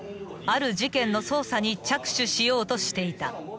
［ある事件の捜査に着手しようとしていた］